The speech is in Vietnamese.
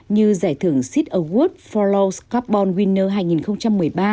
như giải thưởng seed award for low carbon winner hai nghìn một mươi ba